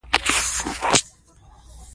ازادي راډیو د هنر پر وړاندې یوه مباحثه چمتو کړې.